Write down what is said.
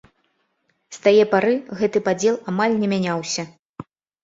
З тае пары гэты падзел амаль не мяняўся.